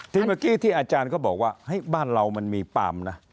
เมื่อกี้ที่อาจารย์ก็บอกว่าบ้านเรามันมีปาล์มนะ